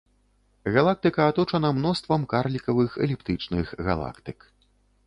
Галактыка аточана мноствам карлікавых эліптычных галактык.